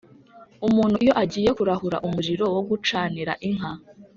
Umuntu iyo agiye kurahura umuriro wo gucanira inka